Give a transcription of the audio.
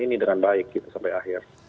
ini dengan baik gitu sampai akhir